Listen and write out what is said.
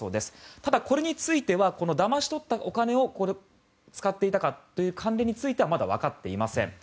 ただ、これについてはだまし取ったお金を使っていたかという関連についてはまだわかっていません。